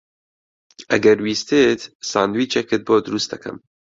ئەگەر ویستت ساندویچێکت بۆ دروست دەکەم.